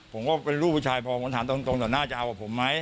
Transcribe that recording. ผมก็เป็นลูกผู้ชายพอผมถามตรงต่อหน้าจะเอากับผมไหม